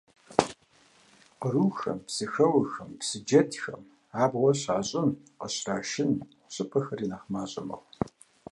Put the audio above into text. Кърухэм, псыхэуэхэм, псы джэдхэм абгъуэ щащӀын, къыщрашын щӀыпӀэхэри нэхъ мащӀэ мэхъу.